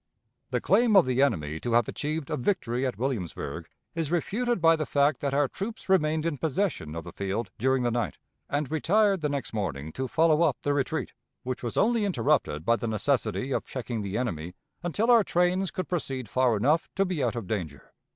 The claim of the enemy to have achieved a victory at Williamsburg is refuted by the fact that our troops remained in possession of the field during the night, and retired the next morning to follow up the retreat, which was only interrupted by the necessity of checking the enemy until our trains could proceed far enough to be out of danger.